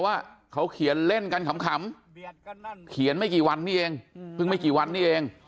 ว่าเขาเขียนเล่นกันขำเขียนไม่กี่วันนี้เองเพิ่งไม่กี่วันนี้เอง